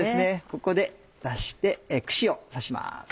ここで出して串を刺します。